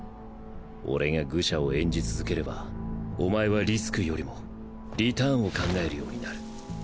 俺が愚者を演じ続ければおまえはリスクよりもリターンを考えるようになる。